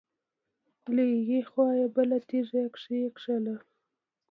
له هغې خوا يې بله تيږه کېکاږله.